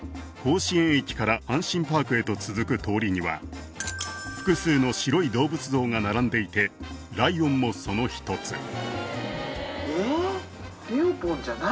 甲子園駅から阪神パークへと続く通りには複数の白い動物像が並んでいてライオンもその１つえっ？